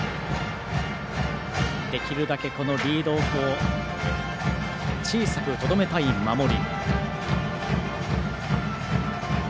できるだけリードオフを小さくとどめたい守り。